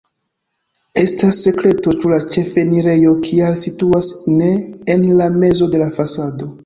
Estas sekreto, ĉu la ĉefenirejo kial situas ne en la mezo de la fasado.